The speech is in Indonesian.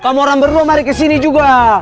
kamu orang berlua mari kesini juga